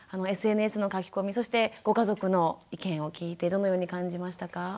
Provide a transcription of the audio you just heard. ＳＮＳの書き込みそしてご家族の意見を聞いてどのように感じましたか？